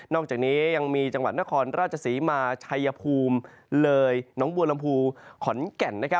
อกจากนี้ยังมีจังหวัดนครราชศรีมาชัยภูมิเลยน้องบัวลำพูขอนแก่น